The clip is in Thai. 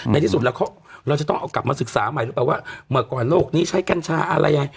ในที่สุดเราจะออกกลับมาศึกษาใหม่ว่าเมื่อกว่าโลกนี้ใช้แก้นชาอะไรอะไร